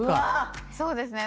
そうですね。